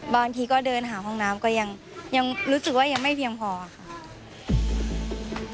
บางทีก็เดินหาห้องน้ำก็ยังรู้สึกว่ายังไม่เพียงพอค่ะ